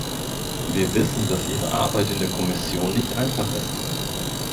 Wir wissen, dass Ihre Arbeit in der Kommission nicht einfach ist.